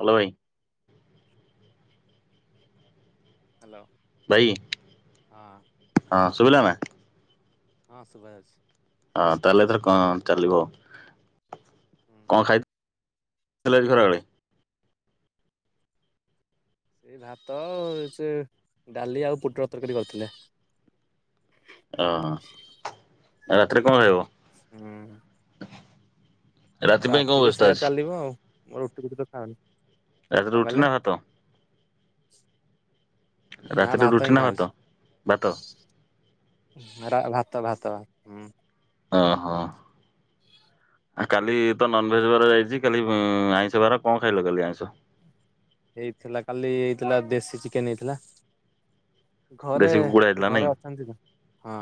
Hello ଭାଇ। Hello ଭାଇ ହଁ ଶୁଭିଲାନା? ହଁ ସୁଭା ଯାଉଚି। ହଁ ତାହେଲେ ଏଥର କଅଁ ଚାଲିବ ଆଉ। ହୁଁ। କଅଁ ଖାଇଛ [unintelligible] ସେଇ ଭାତ ଅ ସେ ଡାଲି ଆଉ ପୁଟଲ ତରକାରୀ କରିଥିଲେ। ହଁ ରାତିରେ କଣ ଖାଇବ?। ହୁଁଉଁ। ରାତି ପାଇଁ କଣ ରାତିରେ ବ୍ୟବସ୍ଥା ସେୟା ଅଛି ଚାଲିବ ଆଉ। ମୁଁ ରୁଟି ଫୁଟି ତ ଖାଉନି। ରାତିରେ କଣ ରୁଟି କହିଲେ ନା ଭାତ? [unintelligible] ନା ରାତିରେ ରୁଟି ହିଁ ନା ଖାଉଛି ଭାତ ଭାତ। ରା ଭାତ ଭାତ ଭା-ହୁଁ। ଓ ହୋ। ଆ କାଲି ତ ନନଭେଜ ବାର ଯାଇଚି କାଲି ଅଁ-ଆଇଁଷ ବାର କଅଁ ଖାଇଲ କାଲି ଆଇଁଷ। ହେଇଥିଲା କାଲି ହେଇଥିଲା ଦେଶି ଚିକେନ ହେଇଥିଲା। ଘରେ ଦେଶୀ କୁକୁଡା ହେଇଥିଲା ନାଇଁ ଘରେ ଅଛନ୍ତି ନା ହଁ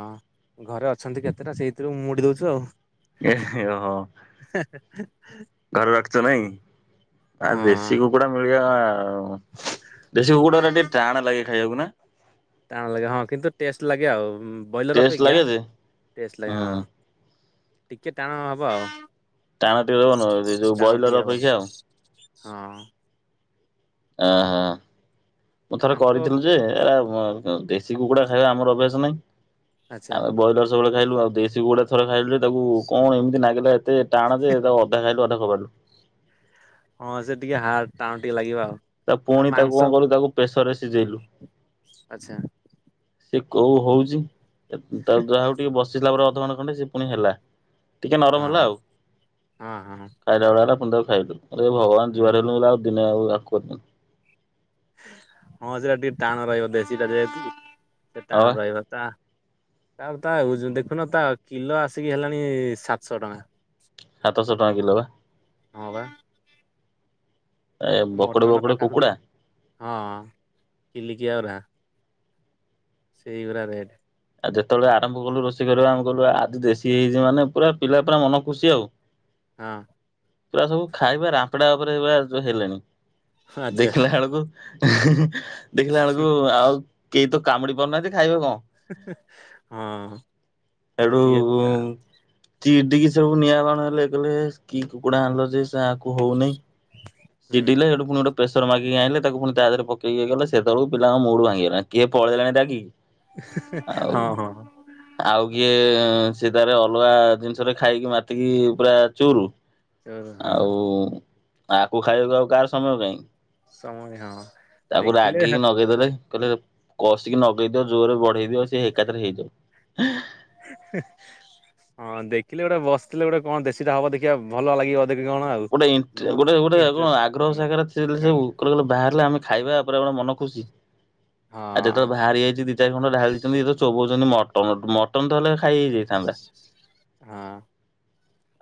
ଘରେ ଅ ଅଛନ୍ତି କେତେଟା ସେଇଥିରୁ ମୁଡ଼ି ଦଉଚୁ ଆଉ। ଏ ହେ ହଅ। ହ [unintelligible] ଘରେ ରଖ ଛ ନାଇଁ। ଆଉ ହଁ। ଦେଶି କୁକୁଡା ମିଳିଆ-ଉ ଦେଶି କୁକୁଡା ଟିକେ ଟାଣ୍ ଲାଗେ। ଖାଇ ହବ୍ ହବ ନା? ଟାଣ୍ ଲାଗେ ହଁ କିନ୍ତୁ ଟେଷ୍ଟ ଲାଗେ ଆଉ। ବ୍ରଏଲର ଟେଷ୍ଟ ଅପେକ୍ଷା ଲାଗେ ଯେ ଟେଷ୍ଟ ଲାଗେ ହୁଁ ହଁ। ଟିକେ ଟାଣ ହବ ଆଉ। ଟାଣ ଟିକେ ଯ ଯୋଉ ଟାଣ ଟିକେ ବ୍ରଇଲର ହବ ଅପେକ୍ଷା ଆଉ। ହଁ ହଁ ହଁ। ମୁଁ ଥରେ ତାଙ୍କ କରିଥିଲି ଯେ ଏରା ମ ଦେଶି କୁକୁଡ଼ା ଖାଇବା ଆମର ଅଭ୍ୟାସ ନାହିଁ। ଆଚ୍ଛା। ଆ ବଇଲର ସବୁବେଳେ ଖାଇଲୁ ଆଉ ଦେଶି କୁକୁଡା ଥରେ ଖାଇଲୁ ଯେ ତାକୁ କଣ ଏମିତି ନାଗିଲା ଏତେ ଟାଣ ଯେ ତାକୁ ଅଧା ଖାଇଲୁ ଅଧା ହବା ଲୁ ହଁ ସେ ଟିକେ ହାଡ ଟାଣ ଟିକେ ଲାଗିବ ଆଉ। ତ ତା ପୁଣି ତାକୁ ମାଂସ କଣ କଲୁ ତାକୁ ପ୍ରେସରରେ ସିଜେଇଲୁ। ଆଚ୍ଛା ସେ କୋଉ ହଉଛି ଯାହା ହଉ ଟିକେ ବସିଲା ପରେ ଅଧଘଣ୍ଟେ ଖଣ୍ଡେ ସେ ପୁଣି ହେଲା। ଟିକେ ନରମ ହେଲା। ହଁ ଆଉ ହଁ ହଁ। ଖାଇଲା ଭଳିଆ ହେଲା। ଫୁଣି ତାକୁ ଖାଇବା ଦେଲୁ। ଆରେ ଭଗବାନ ଯୁହାର ହୁଁ ହେଲୁ ବୋଲି ଆଉ ଦିନେ ଆଉ [inaudible] ହଁ ସେଟି ଟାଣ ରହିବ ଦେଶୀଟା ଯେହେତୁ। ସେ ହଁ ଟାଣ ବା ରହିବ ତା ଆଉ ତା ଓଜନ ଦେଖୁନ ତା କିଲୋ ଆସିକି ହେଲାଣି ସାତଶହ ଟଙ୍କା। ସାତଶହ ଟଙ୍କା କିଲୋ ବା। [inaudible] ହଁ ବା ଏ ବକଟେ ମଟନ ବକଟେ ପାଖାପାଖି କୁକୁଡ଼ା। ହଁ କିଲିକିଆରା ସେଇରା ରେଡ଼ ଆଉ ଯେତେବେଳେ ଆରମ୍ଭ କଲୁ ରୋଷେଇ କରିବା ଆମଭ କଲୁ ଆଜି ଦେଶୀ ହେଇଛି ମାନେ ପୁରା ପିଲା ପୁରା ମନ ଖୁସି ଆଉ ହଁ। ପୁରା ସବୁ ଖାଇବା ରାମ୍ପଡା ଉପରେ ସବୁ ହେଲେଣି। ଆଚ୍ଛା ଦେଖିଲା ବେଳକୁ। [inaudible] ଦେଖିଲା ବଳକୁ ଆଉ କେହି ତ କାମୁଡି ପାରୁନାହାନ୍ତି ଖାଇବେ କଣ। [inaudible] ହଁ ସେଠୁ ସେତିଏ ତା ଚିଡିକି ସବୁ ନିଆଁବାଣ ହେଲେ କଲେ କି କୁକୁଡ଼ା ଆଣିଲ ଯେ ନାକୁ ହୋଉନିଇ। ହୁଁ ଚିଡିିଲେ ହେଟୁ ଫୁଣି ଗୋଟେ ପେସର ମାଗିକି ଆଣିଲେ। ତାକୁ ପୁଣି ତା ଦେହରେ ପକେଇକି ଇଏ କଲେ ସେତବେଳକୁ ପିଲାଙ୍କ ମୁଡ ଭାଙ୍ଗିଗଲାଣି। କିଏ ପଳେଇଲାଣି ରାଗିକି [inaudible] ହଁ ହଁ। ଟିକେ ସେ ତାରେ ଅଲଗା ଜିନିଷରେ ଖାଇକି ମାତିକି ପୁରା ଚୁରୁ ହଁ ଆଉ। ଆକୁ ଖାଇବାକୁ ଆଉ କାହାର ସମୟ କାହିଁ। ସମୟ ହଁ ତାକୁ ଦେଖିଲେ ରାଗିକି ହେଁ ନଗେଇଦେଲେ କହିଲେ କଷିକି ନଗେଇଦିଅ ଜୋରରେ ବଢେଇ ଦିଅ ସିଏ ଏକଥରେ ହେଇଯାଉ। ହଁ ଦେଖିଲେ ଗୋଟେ ବସିଥିଲେ ଗୋଟେ କଣ ଦେଶୀଟା ହବ ଦେଖିବା ଭଲ ଲାଗିବ। ଦେଖି କଣ ଆଉ। ଗୋଟେ ନୂଆ ଗୋଟେ ଗୋଟେ କଣ ଇଣ୍ଟରେଷ୍ଟ ଆଗ୍ରହ ହୁଁ। ସାଗରେ ଥିଲେ ସବୁ କାହିଁକି ଗୁରେ ଗୁରେ ବାହାରିଲେ ଆମେ ଖାଇବା। ପୁରା ମୋର ମନ ଖୁସି। ହଁ ଆଉ ଯେତେବେଳେ ବାହାରି ଯାଇଛି ଦି ଚାରି ଖଣ୍ଡ ଢାଳିଛନ୍ତି। ସବୁଦିନ ମଟନ, ମଟନ ତହେଲେ ଖାଇ ହେଇଯାଇଥାନ୍ତା। ହଁ।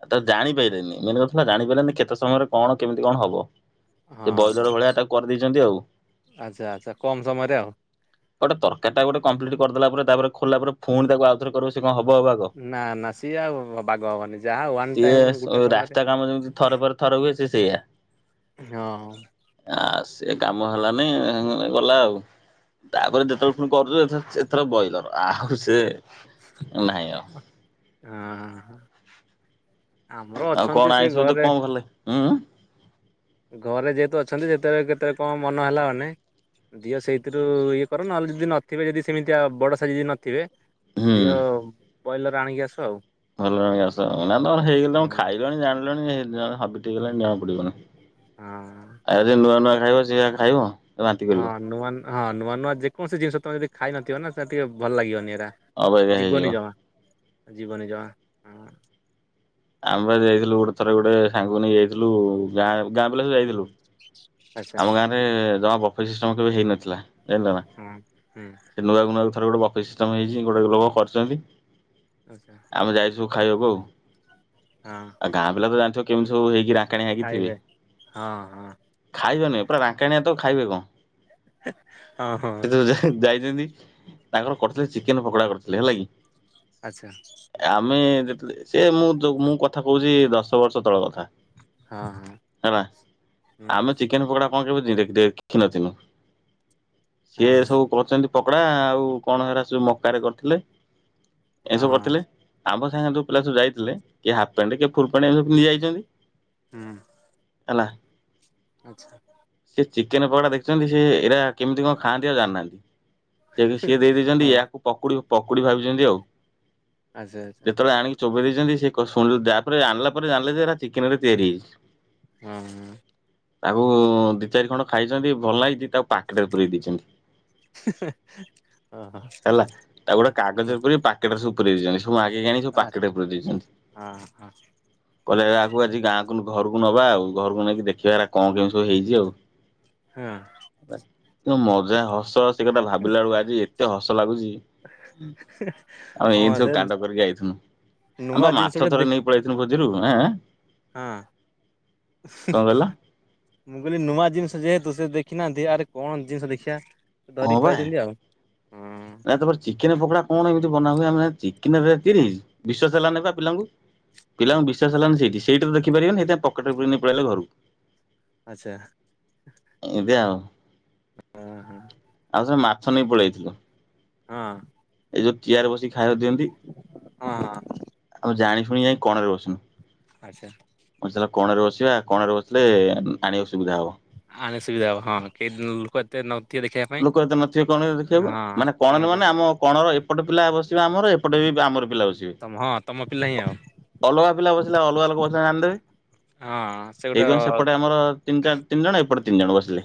ଆଉ ତ ଜାଣିପାରିଲେନି ମେନ କଥା। ଜାଣିପାରିଲାନି କେତେ ସମୟରେ କଣ କେମିତି କଣ ହବ? ସେ ହଁ ବଇଲର ହଁ। ଭଳିଆ ତାକୁ କରିଦେଇଛନ୍ତି ଆଉ। ଆଚ୍ଛା ଆଚ୍ଛା। କମ ସମୟରେ ଆଉ। ଗୋଟେ ତରକାରୀଟା ଗୋଟେ କମ୍ପ୍ଲିଟ୍ କରିଦେଲା ପରେ ତାପରେ ଖୋଲାପରେ ପୁଣି ତାକୁ ଆଉଥରେ କରିବ। କଣ ହବ ହବ ଆଗ। ନା ନା ସିଏ ଆଉ ବାଗ ହବନି। ଯାହା ୱାନଟାଇମ ଗୋଟେ ସମୟରେ ଥର ହୁଏ ସିଏ ସେଇଆ। ହଁ। ଆ ସେ କାମ ହେଲାନି ଗଲା ଆଉ। ତାପରେ ଯେତେବେଳେ ପୁଣି କରୁଛ ଏଥର ବଏଲର ଆଉ ସେ ନାହିଁ ଆଉ। ହଁ ହଁ। ଆଉ କଣ ଆଇଁଷ ତ ଘରେ କଣ ଭଲଲାଗେ? ହୁଁ ଉ। ଘରେ ଯେହେତୁ ଅଛନ୍ତି ଯେତେବେଳେ କେତେବେଳେ କଣ ମନ ହେଲା ମାନେ, ଦିଅ ସେଇଥିରୁ ଇଏ କର ନହେଲେ ଯଦି ନଥିବେ ଯଦି ସେମିତିଆଉ ବଡ଼ ସାଇଜି ଯଦି ନଥିବେ ଦିଅ ଉ। ବ୍ରଇଲର ଆଣିକି ଆସ ଆଉ। ଭଲ ହେଇକି ଆସ ଆଉ। ନା ତମର ହେଇଗ ତମ ହଁ ଖାଇଲଣି ଜାଣିଲଣି? ଯା [inaudible] ହାବିଟିଗଲାନି ଜମାପଡିବନି ହଁ। ଆରେ ନୂଆ ନୂଆ ଖାଇବ ସେଇଆ ଖାଇବ। [unintelligible] ହଁ ନୂଆ ହଁ ନୂଆ ନୂଆ ଯେ କୌଣସି ଜିନିଷ ତକ ଖାଇନଥିବ ନା ସେତିକି ଭଲ ଲାଗିବନି ଏ। ଅବାଗିଆ ହେଇଯିବ। ଯିବନି ଜମା। ଜିବନୀ ଜମା ହୁଁ। ଆମେ ପା ଯାଇଥିଲୁ ଗୋଟେ ଥରେ ଗୋଟେ ସାଙ୍ଗକୁ ନେଇକି ଯାଇଥିଲୁ ଗାଁ ଗାଁ ପିଲା ଯାଇଥିଲୁ। [inaudible] ଆଚ୍ଛା ଆମ ଗାଁରେ ଜମା ବଫେ ସିଷ୍ଟମ କେବେ ହେଇନଥିଲା। [unintelligible] ହଁ ହୁଁ ଥରେ ଗୋଟେ ବଫେ ସିଷ୍ଟମ୍ ହେଇଛି, ଗୋଟେ ଲୋକ କରିଚନ୍ତି। ଆଚ୍ଛା ଆମେ ଯାଇଚୁ। ଖାଇବୁ ଆଉ। ହଁ ଆଉ ଗାଁ ପିଲା ତ ଜାଣି କେମତି ସବୁ ହେଇକି ରା ଖାଇବେ ହଁ ହଁ। ଖାଇବେନି ପୁରା ରାଙ୍କାଣିଆ ତ ଖାଇବେ କଣ? ହ ହ। ଏନ୍ତି ତାଙ୍କର କରିଥିଲେ ଚିକେନ ପକୋଡା କରିଥିଲେ ହେଲା କି! ଆଚ୍ଛା ଆମେ ସେ ମୁଁ ମୁଁ କଥା କହୁଛି ଦଶ ବର୍ଷ ତଳର କଥା। ହଁ ହଁ। ହୁଁ ଆମ ଚିକେନ ପକୋଡା ତ କେବେ ଧୀରେ ଦେଖିନଥିଲୁ? ହଁ ସିଏ ହଁ ସବୁ କରୁଛନ୍ତି ପକୋଡା-ଆ-ଆ-ଆ ଆଉ କଣ ହେରା ସବୁ ମକାରେ କରିଥିଲେ। ଏ ହଁ ସବୁ ହଁ କରିଥିଲେ, ଆମ ସାଙ୍ଗ ପିଲା ସବୁ ଯାଇଥିଲେ କିଏ ହାଫ୍ ପ୍ୟାଣ୍ଟ୍ କିଏ ଫୁଲ୍ ପ୍ୟାଣ୍ଟ୍ ଏମିତି ସବୁ ପିନ୍ଧି ଯାଇଛନ୍ତି। ହୁଁ। ହେଲା। ଆଚ୍ଛା। ସେ ଚିକେନ ପକୋଡ଼ା ଦେଖୁଛନ୍ତି, ସେ ଏରା କେମିତି କଣ ଖାଆନ୍ତି ଆଉ ଜାଣିନାହାନ୍ତି! ସେ ସିଏ ଦେଇ ଦେଇଛନ୍ତି ହଁ ୟାକୁ ପକୁଡି ପକୁଡ଼ି ଭାବିଛନ୍ତି ଆଉ। ଆଚ୍ଛା ଆଚ୍ଛା। ଯେତେବେଳେ ଆଣିକି ଚୋବେଇ ଦେଇଛନ୍ତି ସେ କ ଶୁଣିଲେ ତାପରେ ଆଣିଲା ପରେ ଜାଣିଲେ ଯେ ଏଇଟା ଚିକେନ ରେ ତିଆରି ହେଇଛି। ହୁଁ ହୁଁ। ତାକୁ-ଉ-ଉ ଦି ଚାରି ଖଣ୍ଡ ଖାଇଛନ୍ତି ଭଲ ଲାଗିଛି ତାକୁ ପାକେଟରେ ପୁରେଇ ଦେଇଛନ୍ତି। ଓହୋ ହେଲା ତାକୁ ଗୋଟେ ହୁଁ କାଗଜରେ ପୁରେଇକି ପାକେଟରେ ସବୁ ପୁରେଇ ଦେଇଛନ୍ତି। ସବୁ ମାଗିକି ଆଣି ସବୁ ଆଚ୍ଛା ପାକେଟେ ପୁରେଇ ଦେଇଛନ୍ତି ହଁ ହଁ କଲେଜ ଆଗକୁ ଆଜି ଗାଁ ଘରକୁ ନବା ଆଉ ଘରକୁ ନେଇକି ଦେଖିବା କଣ କେମତି ସବୁ ହେଇଛି ଆଉ। ହଁ ମଜା ହସ ହସି କଥା ଭାବିଲା ବେଳକୁ ଆଜି ଏତେ ହସ ଲାଗୁଛି। ଆମେ ଏମତି ହଁ ସବୁ ସେ କାଣ୍ଡ କରିକି ଆଇଥିନୁ ଆମେ ନୂଆ ବା ଜିନିଷ ମାଛ ଗୋଟେ ଥରେ ଦେଖ ନେଇକି ପଳେଇ ଆଇଥିନୁ ଭୋ ମଝିରୁ ଆଁ ଆଁ ହଁ। କଣ କହିଲ? ମୁଁ କହିଲି ନୂଆ ଜିନିଷ ଯେହେତୁ ସେ ଦେଖିନାହାନ୍ତି ଆରେ କଣ ଜିନିଷ ଦେଖିବା। ହଁ ଧରି ବା ପଲେଇଛନ୍ତି ଆଉ। ହଁ ନା ତମର ଚି କେନ ପୋକୋଡ଼ା କଣ ଏମିତି ବନା ହୁଏ ଆମେ ଚିକେନ ଏବେ ତିରିଶ ବିଶ୍ଵାସ ହେଲାନି ପା ପିଲାଙ୍କୁ। ହୁଁ ପିଲାଙ୍କୁ ବିଶ୍ୱାସ ହେଲାନି ସେଇଠି। ସେଇଟାରୁ ଦେଖିପାରିବେନି ସେଥିପାଇଁ ପକେଟରେ ପୁରେଇ ନେଇ ପଳେଇ ଆଇଲେ ଆଚ୍ଛା ଘରକୁ। ଏବେ ଆଉ ଅଁ ହୋ। ସେ ମାଛ ନେଇ ପଳେଇଥିଲ। ହଁ। ଏଇ ଯୋଉ ଚିଆର ବସିକି ଖାଇବାକୁ ଦିଅନ୍ତି, ହଁ ହଁ ଆମେ ଜାଣି ଶୁଣି ଯାଇ କଣରେ ବସିନୁ। ଆଚ୍ଛା ବସିଲା ପ କଣ ରେ ବସିବା କଣରେ ବସିଲେ ଆଣିିବ। ସୂବୁଧା ହବ। ଆଣି ସୁବିଧା ହବ, ହଁ ହଁ କେଇ ଦିନୁ ଲୋକ ଏତେ ନ ଲୋକ ଏତେ ନଥିବେ କଣ ରେ ଦେଖିବାକୁ ମାନେ କଣ କଣରେ କୁ ମାନେ ଆମ କଣର ଏପଟେ ପିଲା ବସ ର ଆମର ଏପଟେ ବି ଆମର ପିଲା ବସିବେ। ତମ ହଁ ତମ ପିଲା ହିଁ ଅ ଆଉ ଅଲଗା ପିଲା ବସିଲେ ଅଲଗା ଲୋକ ବସିଲେ ତଙ୍କେ ଜାଣିଦେବେ, ହଁ ସେ ଗୋଟେ ସେଇଥିପାଇଁ ସେପଟେ ଆମର ତିନି ଚାର ତିନ ଜଣ ଏପଟେ ତି ତିନ ଜଣ ବସିଲେ।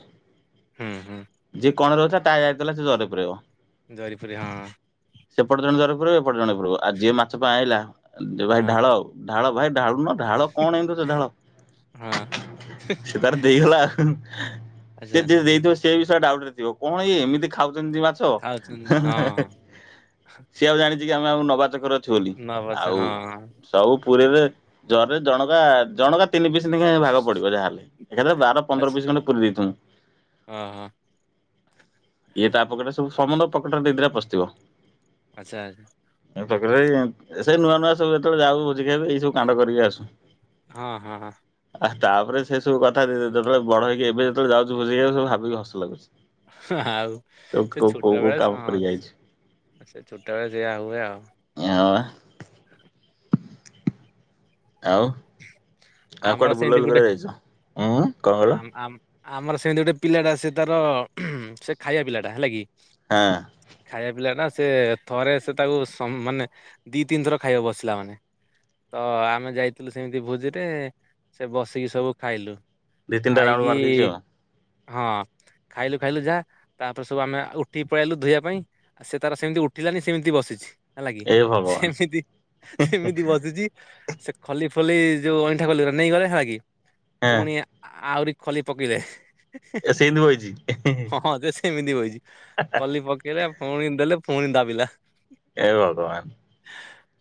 ହୁଁ ହୁଁ। କଣ ରହୁଚ ତାହା ଯାଇଥିଲା ସେ ଜରିରେ ପୁରେଇବ। ଜରି ପୁରେଇବ ହଁ। ସେପଟ ଜଣେ ଜରି ପୁରେଇବ ଏ ପଟେ ଜଣେ ପୁରେଇବ, ଆଉ ଯିଏ ମାଛ ପାଇଁ ଆଇଲା ଭାଇ ହଁ ଢାଳ ଢାଳ ଭାଇ ଢାଳୁ ନ ଢାଳ କଣ ଏମତି ହଉଚ ଢାଳ ହଁ ସେ ତାର ଦେଇଗଲା ଆଉ। ସେ ଆଚ୍ଛା ଯିଏ ଦେଇଥିବ ସିଏ ବି ସେ ଡାଉଟ୍ରେ ଥିବ କଣ ଇଏ ଏମତି ଖାଉ ଚନ୍ତି ମାଛ, ଖାଉଛନ୍ତି ହଁ ସିଏ ଆଉ ଜାଣି ଟିକେ ଆମେ ଆଉ ନବା ଚକର ଅ ଛୁ ଚୋଲି ନଅ ବର୍ଷ ଆଉ ଉ ହଁ ସବୁକ୍ ପୁରୀରେ ଜର୍ରେ ଜଣକା ଜଣକା ତିନି ପିସ ନେଖେ ଭାଗ ପଡିବ ଯାଆହେଲେ ଏକାଥରେ ବାର ପନ୍ଦର ପିସ୍ ଖଣ୍ଡେ ପୁରୀ ଦେଇଥିନୁ। ହଁ ହଁ। ଇଏ ତା ପକେଟରେ ସବୁ ସମନ୍ଦ ପକେଟରେ ଦି ଦିଟା ପଶିଥିବ। ଆଛା। [unintelligible] ସେଇ ନୂଆ ନୂଆ ସବୁ ଯେତେବେଳେ ଯାଉୁ ବୁଝିଖିୟାକୁ ଏଇ ସବୁ କାଣ୍ଡ କରିକି ଆସୁ। ହଁ ହଁ ହଁ। ଆଃ ତାପରେ ସେ ସବୁ କଥା ଦିରେ ଯେତେଳେ ବଡ ହେଇକି ଏବେ ଯେତେବେଳେ ଯାଉଥୁବୁ ସେଇୟା ସବୁ ଭାବିକି ହସ ଲାଗୁଛି। ହିଁ ହିଁ ଆଉ କୋଉ ସେ କୋଉ ଛୋଟ କୋଉ କାମ ବେଳେ ହଁ କରିକି ଆଇଛି। ସେ ଛୋଟ ବେଳେ ସେୟା ହୁଏ ଆଉ। ହଁ ଆଉ। ଆଉ ଆମର କୁଆଡେ ସେମିତି ବୁଲାବୁଲ୍ ଗୋଟେ କରିବା ଯାଇଚ। ଉୁଁ ଉ କଁ କଇଲ? ଆମ ଆମ ଆମର ସେମିତି ଗୋଟେ ପିଲାଟା ସେ ତାର ଅ ଇହଁ ସେ ଖାଇବା ପିଲାଟା। ହେଲା କି? ହଁ ଖାଇଆ ପିଲାଟା ସ୍ ସେ ଥରେ ସେ ତାକୁ ସମ୍ ମାନେ ଦିଇ ତିନି ଥର ଖାଇବା ବସିଲା ମାନେ ତ ଆମେ ଯାଇ ଥିଲୁ ସେମିତି ଭୋଜିରେ ଏ ସେ ବସିକି ସବୁ ଖାଇଲୁ। ଦି ତିନ୍ଟା ରାଉଣ୍ଡ ଖାଇକି ମାରିଦେଇଚି ଆଉ। ହଁ ଖାଇଲୁ ଖାଇଲୁ ଯାଆ ତାପରେ ସବୁ ଆମେ ଅ ଉଠିକି ପଳିଆଇଲୁ ଧୋଇବା ପାଇଁ ସେ ତାର ସେମିତି ଉଠିଲାନି ସେମିତି ବସିଛି। ହେଲା କିି? ଏ ଭଗବାନ ସେମିତି ସେମିତି ବସିଚି ସେକ୍ ଖଲି ଫଲି ଇ ଯୋଉ ଅଇଁଠା ଖଲିଉରା ନେଇଗଲେ ହେଲା କି? ହଁ। ପୁଣି ଆ ଆଉରି ଖଲି ପକେଇଦେ ହେ ହେ ହେ। ୟେ ସେଇନ୍ଦୁ ବଇଚି ଏ ହେଁ ହେଁ ଏମିତି ବଇଚି। କଲି ପକେଇଲା ଫୁଣି ଦେଲେ ଫୁଣି ଦାବିଲା। ଏ ଭଗବାନ।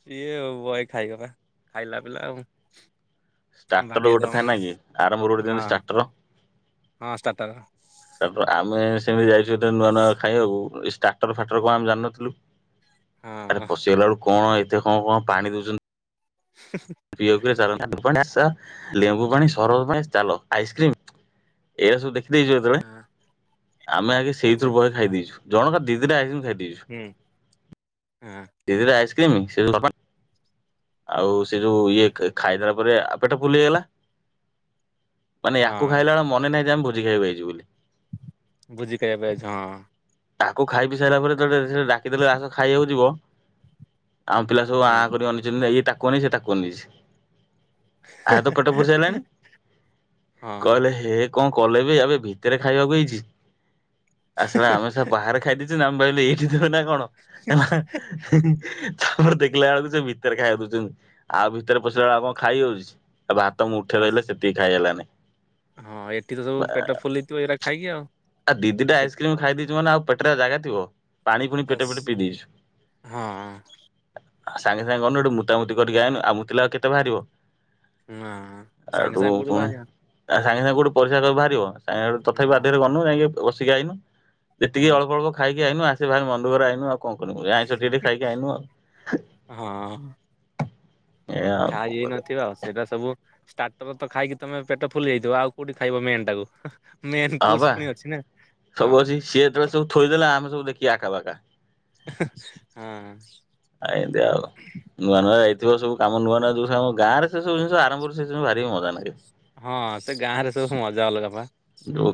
ସିଏ ଅଉ ବଏ ଖାଇଗଲା ଖାଇଲାପ୍ ପିଲାଉ ଷ୍ଟାର୍ଟର ଗୋଟେ ଥାଏ ନା କି ଆରମ୍ଭରୁ ଗୋଟେ ହଁ ଦ୍ୟନ୍ତି ଷ୍ଟାର୍ଟର ହଁ ଷ୍ଟାର୍ଟର୍। ତାପ୍ରେ ଆମେ ଏ ସେମିତି ଯାଇଛୁ ଯେତେବଳେ ନୂଆ ନୂଆ ଖାଇବାକୁ ଏ ଷ୍ଟାଟର ଫାଟର କଁ ଆମେ ଜାଣିନଥିଲୁ। ଆରେ ହଁ ପସିିଗଲାଳୁକୁ କଣ ଏତେ ହଁ କଣ ପାଣି ଦୋଉଚନ୍ତି। ପ୍ରିୟକେ ସାଳ [unintelligible] ଲେମ୍ବୁ ପାଣି ସରବତ ପାଣି ଚାଲ ଆଇସ୍କ୍ରିମ ଏ ସବୁ ଦେଖ୍ ଖି ଦେଇଛ ଯେତେବେଳେ ହଁ ଆମେ ଆଗେ ଆଚ୍ଛା ସେଇଥିରୁ ବହେ ଖାଇ ଦେଇଛୁ। ଜଣଙ୍କ ଦିଦିଟା ଆଇସ୍କ୍ରିମ ଖାଇଦ୍ ହୁଁ। ହଁ ଦିଇ ଦିଇଟା ଆଇସ୍ [unintelligible] ଆଉ ସେ ଯୋଉ ଇଏ ହଁ କେ ଖାଇରବ୍ ତାପରେ ଆ ପେଟ ଫୁଲ୍ ହେଇଗଲା ମାନେ ୟାକୁ ହଁ ଖାଇଲା ବେଳେ ମନେ ନାହିଁ ଯେ ଆମେ ଭୋ ଜି ଖାଇବାକୁ ଆଇଛୁ ବୋଲି ଭୁଜି ଖାଇବାପାଇଁ ଆଇଛୁ ହଁ ତାକୁ ଖାଇ ପି ସାଇଲା ପରେ ତ ସେ ଡାକିଦେଲେ ଆସ ଖାଇବାକୁ ଯିବ ଆମ ପିଲା ସବୁ ହୁଁ ଆଁ କରି ଅନେଇ ତାକୁ ଅନେଇଛି ସେ ତାକୁ ଅନେଇଛି ଆର ତ ପେଟପୁରି ସାରିଲାଣି ହଁ କହିଲେ ହେ କଣ କଲେ ବେ ଆବେ ଭିତରେ ଖାଇବାକୁ ହେଇଛି ଏ ସଳା ଆମେ ସବୁ ବାହାରେ ଖାଇଦେଇଛେ [unintelligible] ବ‌ଇଲେ ଏଇଠି ଯିବ ନା କଣ ହେହେ ହିହି ତାପରେ ଦେଖିଲା ବେଳକୁ ସେ ଭିତ୍ ଭିତରେ ଖାଇବାକୁ ଦଉଛନ୍ତି ଆଉ ଭିତରେ ପଶିଲା ବେଳକୁ ଆଉ କଣ ଖାଇ ହଉଛି ଆଉ ଭାତ ମୁଠେ ଏସ୍ ରହିଲା ସେତିକି ଖାଇ ହେଲାନି ହଁ ଏଠି ତ ସବୁ ପେଟ ଫୁଲିଥିବ ଏଇଟା ଖାଇକି ଆଉ ଆ ଦି ଦିଟା ଆଉ ସେଠି ଆଇସ୍କ୍ରିମ କଣ ଖାଇ ଦେଇଛୁ ମାନେ ଆଉ ପେଟରେ ଆଉ ଜାଗା ଥିବ ପାଣି ପୁଣି ପେଟେ ଏସ୍ ପେଟେ ପିଇ ଦେଇଛୁ ହଁ ହଁ ସାଙ୍ଗେ ସାଙ୍ଗ ନେ ଗୋଟେ ମୁତାମୁତି କରିକି ଆଇନ ଆଉ ମୁତିଲେ ଆଉ କେତେ ବାହାରିବ ହଁ ସାଙ୍ଗେ ଆଉଠୁ ସାଙ୍ଗେ କୁଠୁ ପୁଣି ବାହାରିବା ସାଙ୍ଗେ ସାଙ୍ଗେ କୁଠୁ ପ‌ଇସା ତ ବାହାରିବ ସାଙ୍ଗେ ଗୋଟେ ତଥାିପି ନା ବାଧ୍ୟରେ ବନ‌ଉ ଯାଇକି ବସିିକି ଆଇନୁ ହୁଁ ଯେତିକି ଅଳ୍ପ ଅଳ୍ପ ଖାଇ [unintelligible] [unintelligible] ଆଇଁଷ ଟିକେ ଟିକେ ଖାଇକି ଆଇନୁ ଆଉ ଏଇଆ ଆଉ କଣ ଖାଇଯାଇ କରିବା ନଥିବ ଆଉ ସେଇଟା ସବୁ ଷ୍ଟାର୍ଟର ତ ଖାଇକି ତମେ ପେଟ ଫୁଲି ଯାଇଥିବ ଆଉ କୋଉଠି ଖାଇବ ମେନ୍ ଟାକୁ? ମେନ୍ ହଁ କୋର୍ସ ବା ପୁଣି ଅଛି ନା ହଁ ସବୁ ଅଛି ସିଏ ଯେତେବେଳେ ସବୁ ଥୋଇଦେଲା ଆମେ ସବୁ ଦେଖ କି ଆକାବାକା। ହଁ ଏଁନ୍ତି ଏଆ ଆଉ ନୂଆ ନୂଆ ଯାଇଥିବ ସବୁ କାମ ନୂଆ ନୂଆ ଯୋଉ ଗାଁରେ ସେ ସବୁ ଜିନିଷ ଆରମ୍ଭରୁ ସେ ଭାରି ମଜା ନାଗେ। ହଁ ସେ ଗାଁ ରେ ସବୁୁ ମଜା ଅଲଗା ପା। ଯୋଉ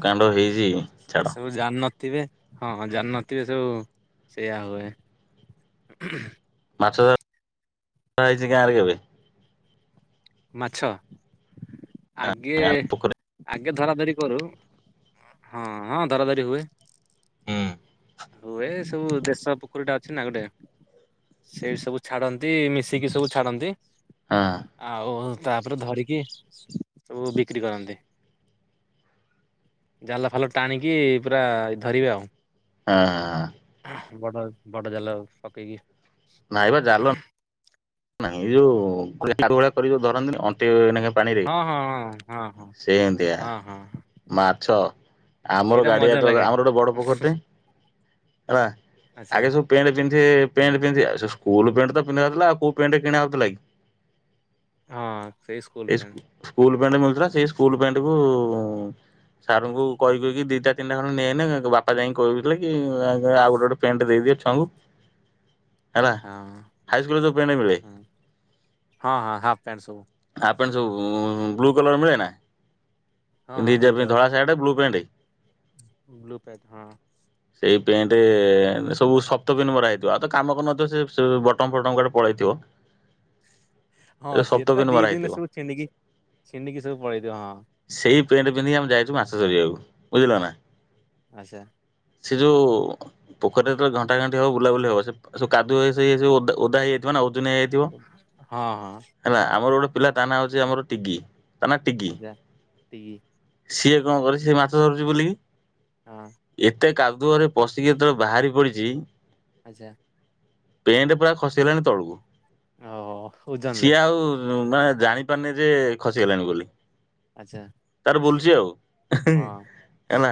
[unintelligible] ସେ ସବୁ ଜାଣିନଥିବେ। ହଁ ଜାଣିନଥିବେ ସବୁ ସେଇୟା ହୁଏ। ମାଛ। ଧାରା ହେଇଛି ଗାଁରେ କେବେ? ମାଛ? ଆଗେ ଗାଁ ପୋଖରୀ ଆଗେ ଧରା ଧରି କରୁ ହଁ ହଁ ଧରା ଧରି ହୁଏ। ହଁ। ହୁଉ ଏ ସବୁ ଦେଶ ପୋଖରୀଟା ଅଛି ନା ଗୋଟେ ସେଇ ସବୁ ଛାଡନ୍ତି ମିଶିକି ସବୁ ଛାଡନ୍ତି ହଁ ଆଉ ତାପରେ ଧରିକି ସବୁ ବିକ୍ରି କରନ୍ତି ଜାଲ ଫାଲ ଟାଣିକି ପୁରା ଧରିବେ ଆଉ। ହଁ ହଁ ହଁ। ବଡ଼ ବଡ଼ ଜାଲ ପକେଇକିି ନାଇଁ ବା ଜାଲ ନାଇଁ ଏଇ ଯୋଉ ଭଳିଆ କରି ଯୋଉ ଧରନ୍ତିନି ଅଣ୍ଟି ପାଣିରେ ହଁ ହଁ ହଁ ହଁ ହଁ ସେ ଏମିତିଆ ହଁ ହଁ ମାଛ ଆମର ସେଇଟା ଗାଡିଆ ମଜା ଲାଗେ ଆମର ଗୋଟେ ବଡ଼ ପୋଖରୀଟେ ହେଲା ଆଚ୍ଛା ଆଗେ ସବୁ ପେଣ୍ଟ ପିନ୍ଧ ହୁଁ ପେଣ୍ଟ ପିନ୍ଧି ସ୍କୁଲ ପେଣ୍ଟ ତ ପିଧାଯାଉଥିଲା ଆଉ ପେଣ୍ଟ କିଣା ହଉ ଥିଲାକି? ହଁ ସେଇ ସ୍କୁଲ ପେଣ୍ଟ। ଣ୍ଟ ମିଳୁଥିଲା ସେଇ ସ୍କୁଲ ପ୍ୟାଣ୍ଟ କ ସାରଙ୍କୁ କହିକି ଦିଟା ତିନିଟା ଖଣ୍ଡେ ନେଇଲେ ବାପା ଯାଇକି କଥିଲେ କି ଆଉ ଗୋଟେ ଗୋଟେ ପ୍ୟାଣ୍ଟ ଦେଇଦିଅ ଛୁଆଙ୍କୁ ହେଲା ହଁ ହାଇସ୍କୁଲରେ ଯୋ ମିଳେ ହଁ ହଁ ହଁ ହାଫ୍ ପ୍ୟାଣ୍ଟ ସବୁ ହାଫ୍ ସବୁ ବ୍ଲୁ କଲର ମିଳେ ନା ହଁ ହଁ ପିନ୍ଧିକି ଯିବା ବ୍ଲୁ ପାଇଁ କଲର ଧଳା shirt blue pant pant blue pant ହଁ। ପେଣ୍ଟ ସବୁ ଶପ୍ତ ପିନ ମରା ହେଇଥିବ ଆଉ ତ କାମ କରୁନଥିବ ସେ ବଟମ ଫଟମ କୁଆଡେ। ପଳାଇଥିବ। ହଁ ସିଏ ତ ଦି ଦିନରେ ସବୁ ଛିଣ୍ଡିକି ଛିଣ୍ଡିକି ସବୁ ପଳେଇ ଦିିବ ହଁ। ସେଇ ପ୍ୟାଣ୍ଟ ପିନ୍ଧିକି [unintelligible] ବୁଝିଲ ନା। ଆଚ୍ଛା। ସେ ଯୋଉ ପୋଖରୀ ଟା ଯେତେବେଳେ ତ ଘଣ୍ଟା ଘଣ୍ଟି ହବ ବୁଲାବୁଲି ହବ ସେ ସବ କାଦୁଅ ହେଇ ସେ ସବୁ ଓଦା ହେଇଯାଇଥିବ [unintelligible] ନେଇଯାଇଥିବ ହଁ ହଁ ହେଲା ଆମର ଗୋଟେ ପିଲା ତା ନାଁ ହଉଛି ଆମର ଟିଗି। ତା ନାତି କି। ଆଚ୍ଛା ଏତିକି ସିଏ କଣ କରି ସେ ମାଛ ଧରୁଛି ବୋଲିକି। ହଁ। କାଦୁଅରେ ପଶିକି ଯେତେବେଳେ ବାହାରି ପଡିଛି। ଆଚ୍ଛା। ପେଣ୍ଟ ପୁରା ଖସିଗଲାଣି ତଳକୁୁ। ଓ ଓଜନ ରେ। ମାନେ ଜାଣି ପାରୁନି ଯେ ଖସିଗଲାଣି ବୋଲି। ଆଚ୍ଛା ତାପରେ ବୁଲୁଛି ଆଉ ହେଁ ହଁ। ହେଲା।